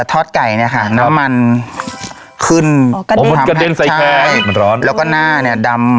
ทอดไก่เนี้ยค่ะแล้วมันขึ้นอ๋อกระเด็นใช่มันร้อนแล้วก็หน้าเนี้ยดำ